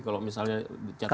kalau misalnya catatannya